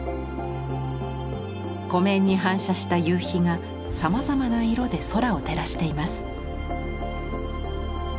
湖面に反射した夕日がさまざまな色で空を照らしています。